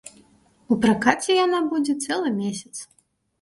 У пракаце яна будзе цэлы месяц.